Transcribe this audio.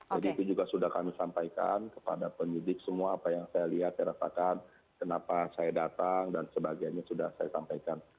jadi itu juga sudah kami sampaikan kepada penyelidik semua apa yang saya lihat saya rasakan kenapa saya datang dan sebagainya sudah saya sampaikan